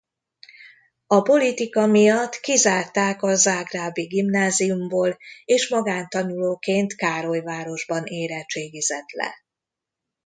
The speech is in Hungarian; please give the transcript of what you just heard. A politika miatt kizárták a zágrábi gimnáziumból és magántanulóként Károlyvárosban érettségizett le.